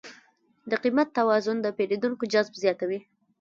د قیمت توازن د پیرودونکو جذب زیاتوي.